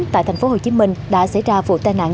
tại thành phố hồ chí minh đã xảy ra vụ tai nạn